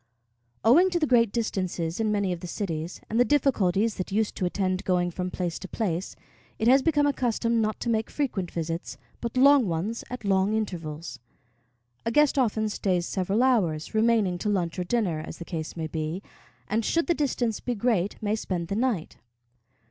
Owing to the great distances in many of the cities, and the difficulties that used to attend going from place to place, it has become a custom not to make frequent visits, but long ones at long intervals. A guest often stays several hours, remaining to lunch or dinner, as the case may be, and, should the distance be great, may spend the night.